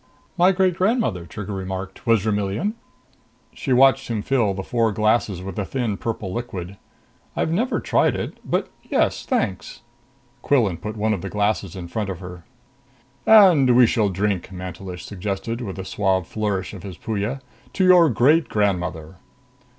"My great grandmother," Trigger remarked, "was a Rumlian." She watched him fill the four glasses with a thin purple liquid. "I've never tried it; but yes, thanks." Quillan put one of the glasses in front of her. "And we shall drink," Mantelish suggested, with a suave flourish of his Puya, "to your great grandmother!"